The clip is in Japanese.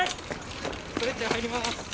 ストレッチャー入ります。